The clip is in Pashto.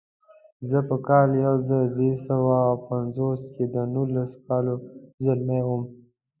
زه په کال یو زر درې سوه پنځوس کې د نولسو کالو ځلمی وم.